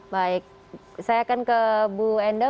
baik saya akan ke bu enda